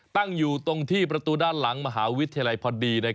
ตั้งอยู่ตรงที่ประตูด้านหลังมหาวิทยาลัยพอดี